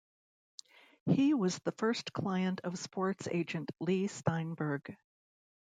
He was the first client of sports agent Leigh Steinberg.